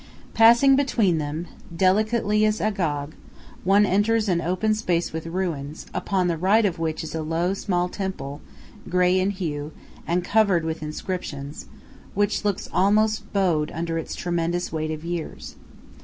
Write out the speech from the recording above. Passing between them, delicately as Agag, one enters an open space with ruins, upon the right of which is a low, small temple, grey in hue, and covered with inscriptions, which looks almost bowed under its tremendous weight of years.